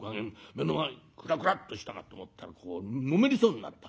目の前くらくらっとしたかと思ったらこうのめりそうになった。